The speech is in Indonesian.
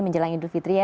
menjelang idul fitri ya